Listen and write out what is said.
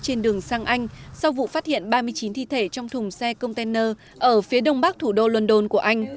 trên đường sang anh sau vụ phát hiện ba mươi chín thi thể trong thùng xe container ở phía đông bắc thủ đô london của anh